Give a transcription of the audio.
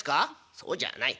「そうじゃない。